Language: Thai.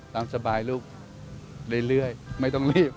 ตามสบายลูกเรื่อยไม่ต้องรีบ